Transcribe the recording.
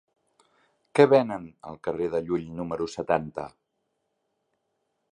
Què venen al carrer de Llull número setanta?